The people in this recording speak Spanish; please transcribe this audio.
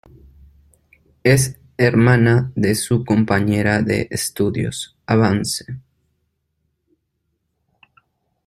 Es hermana de su compañera de estudios Avance.